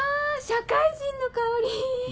社会人の香り！